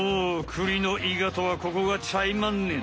栗のいがとはここがちゃいまんねん。